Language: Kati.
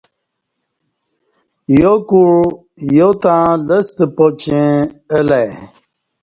یاکُع یا تں لستہ پاچیں الہ ای